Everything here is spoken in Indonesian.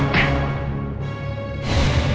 anda yang terakhir